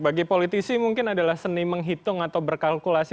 bagi politisi mungkin adalah seni menghitung atau berkalkulasi